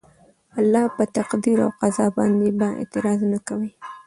د الله په تقدير او قضاء باندي به اعتراض نه کوي